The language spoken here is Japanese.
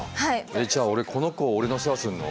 えっじゃあこの子は俺が世話すんの？